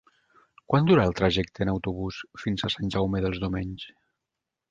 Quant dura el trajecte en autobús fins a Sant Jaume dels Domenys?